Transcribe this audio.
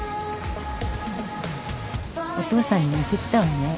お父さんに似てきたわね。